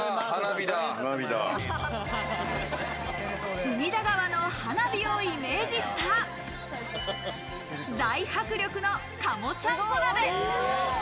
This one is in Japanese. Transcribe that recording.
隅田川の花火をイメージした大迫力の鴨ちゃんこ鍋。